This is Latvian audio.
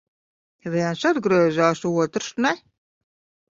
Viens atgriezās, otrs ne.